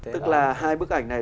tức là hai bức ảnh này